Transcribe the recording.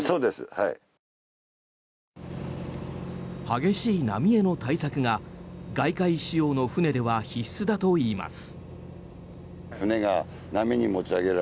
激しい波への対策が外海仕様の船では必須だといいます。